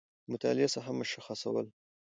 د مطالعې ساحه مشخصول